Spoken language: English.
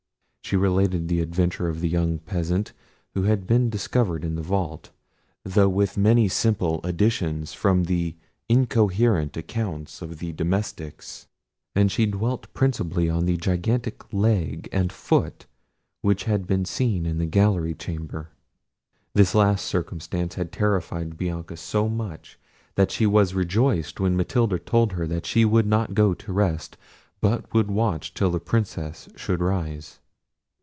She related the adventure of the young peasant who had been discovered in the vault, though with many simple additions from the incoherent accounts of the domestics; and she dwelt principally on the gigantic leg and foot which had been seen in the gallery chamber. This last circumstance had terrified Bianca so much, that she was rejoiced when Matilda told her that she would not go to rest, but would watch till the Princess should rise.